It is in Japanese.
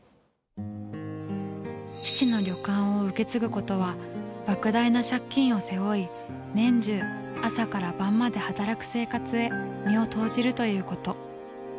父の旅館を受け継ぐことはばく大な借金を背負い年中朝から晩まで働く生活へ身を投じるということ。